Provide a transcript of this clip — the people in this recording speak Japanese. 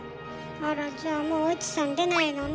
あらじゃあもうお市さん出ないのね。